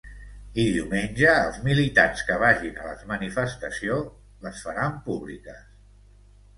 I diumenge els militants que vagin a la manifestació les faran públiques.